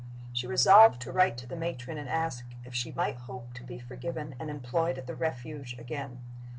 She resolved to write to the matron and ask if she might hope to be forgiven and employed at the Refuge again.